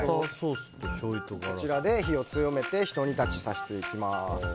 こちらで火を強めてひと煮立ちさせていきます。